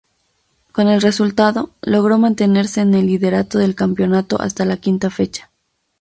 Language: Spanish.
Con el resultado, logró mantenerse en el liderato del campeonato hasta la quinta fecha.